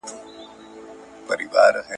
که ماشوم لوبې وکړي دا تعليم ته مرسته کوي.